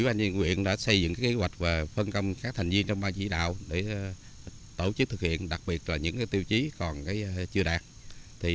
năm hai nghìn một mươi bảy huyện đã xây dựng kế hoạch phân công các thành viên trong ban chỉ đạo để tổ chức thực hiện đặc biệt là những tiêu chí còn chưa đạt